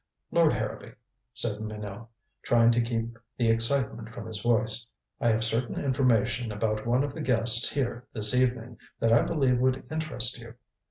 "Lord Harrowby," said Minot, trying to keep the excitement from his voice, "I have certain information about one of the guests here this evening that I believe would interest you.